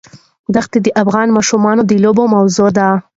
دښتې د افغان ماشومانو د لوبو موضوع ده.